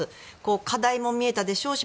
課題も見えたでしょうし